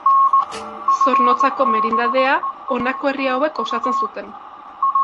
Zornotzako merindadea honako herri hauek osatzen zuten.